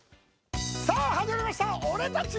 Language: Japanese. さあ、始まりました